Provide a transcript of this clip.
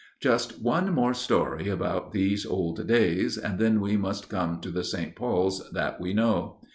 Just one more story about these old days, and then we must come to the St. Paul's that we know.